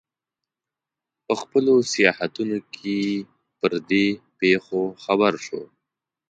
په خپلو سیاحتونو کې پر دې پېښو خبر شو.